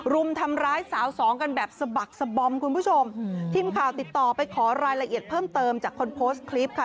รุมทำร้ายสาวสองกันแบบสะบักสะบอมคุณผู้ชมทีมข่าวติดต่อไปขอรายละเอียดเพิ่มเติมจากคนโพสต์คลิปค่ะ